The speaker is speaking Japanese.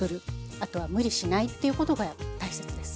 あとは無理しないっていうことが大切です。